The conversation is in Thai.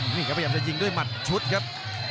พยายามจะยิงด้วยหมัดชุดครับ